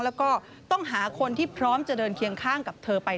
แล้วก็ต้องหาคนที่พร้อมจะเดินเคียงข้างกับเธอไป